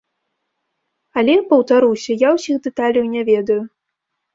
Але, паўтаруся, я ўсіх дэталяў не ведаю.